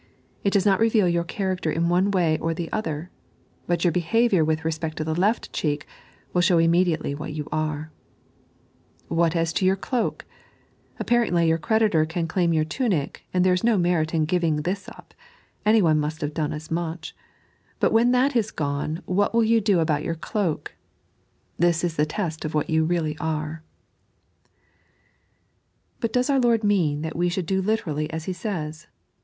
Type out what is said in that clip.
It does not reveal your character in one way or the other, but your behaviour with respect to the left cheek will show immediately what you What as to your doakt Apparently your creditor can claim your tunic, and there is no merit in giving this up — anyone must have done as much ; but when that is gone, what win you do about your cloak % This is the test of what you really are, Sut does our Lord mean that we should do literally as He says